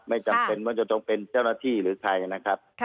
จำเป็นว่าจะต้องเป็นเจ้าหน้าที่หรือใครนะครับ